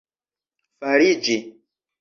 fariĝi